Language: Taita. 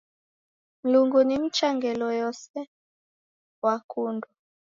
Mlungu ni mcha ngelo yose w'akundwa